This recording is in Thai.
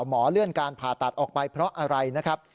หมอเลื่อนการผ่าตัดออกไปเพราะอะไรนะครับ